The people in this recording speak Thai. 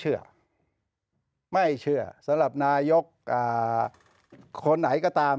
เชื่อไม่เชื่อสำหรับนายกคนไหนก็ตาม